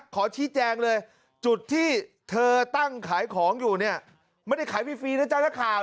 ขอชี้แจงเลยจุดที่เธอตั้งขายของอยู่เนี่ยไม่ได้ขายฟรีนะเจ้านักข่าว